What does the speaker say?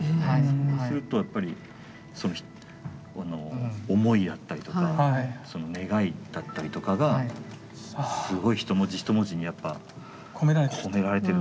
そうするとやっぱりその思いだったりとか願いだったりとかがすごい一文字一文字にやっぱ込められてるのかなっていう。